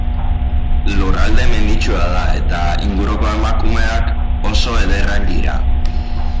Lurralde menditsua da, eta inguruko emakumeak oso ederrak dira.